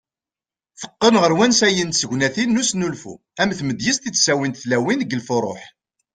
Teqqen ɣer wansayen d tegnatin n usnulfu ,am tmedyazt i d -ttawint tlawin deg lfuruh.